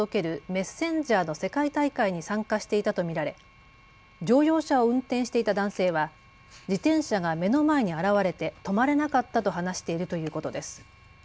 メッセンジャーの世界大会に参加していたと見られ乗用車を運転していた男性は自転車が目の前に現れて止まれなかったと話しているということです。